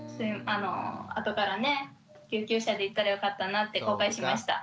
あとからね救急車で行ったらよかったなって後悔しました。